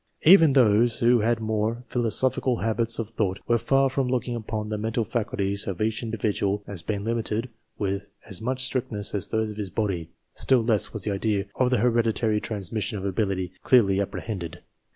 Even those who had more philosophical habits of thought were far from looking upon the mental faculties of each individual as being limited with as much strict ness as those of his body, still less was the idea of the hereditary transmission of ability clearly apprehended.